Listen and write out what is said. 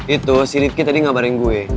itu si ridki tadi ngabarin gue